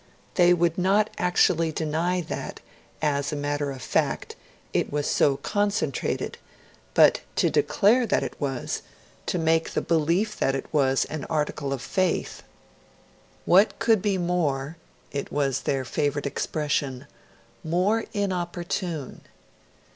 They would not actually deny that, as a matter of fact, it was so concentrated; but to declare that it was, to make the belief that it was an article of faith what could be more it was their favourite expression more inopportune?